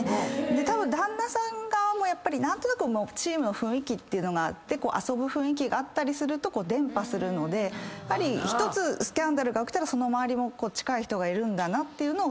たぶん旦那さん側も何となくチームの雰囲気っていうのがあって遊ぶ雰囲気があったりすると伝播するので１つスキャンダルが起きたらその周りも近い人がいるんだなっていうのをそのとき分かったという話。